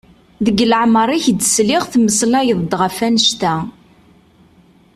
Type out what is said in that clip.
Deg leɛmer i ak-d-sliɣ temmmeslayeḍ-d ɣef wannect-a!